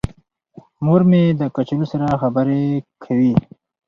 مور مې د کچالو سره خبرې کوي.